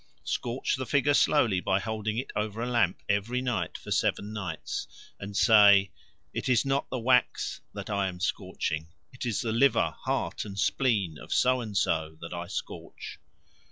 Scorch the figure slowly by holding it over a lamp every night for seven nights, and say: "It is not wax that I am scorching, It is the liver, heart, and spleen of So and so that I scorch."